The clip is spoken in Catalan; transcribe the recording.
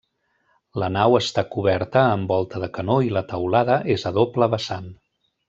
La nau està coberta amb volta de canó i la teulada és a doble vessant.